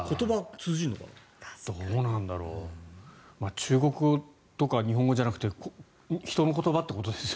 中国語とか日本語じゃなくて人の言葉ということですよね。